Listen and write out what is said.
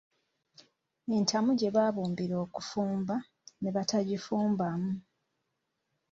Entamu gye babumbira okufumba, ne batagifumbamu.